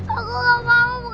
aku gak mau